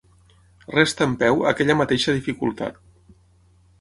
Resta en peu aquella mateixa dificultat.